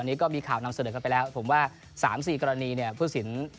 ตอนนี้ก็มีข่าวนำเสด็จกันไปแล้วผมว่า๓๔กรณีผู้สิน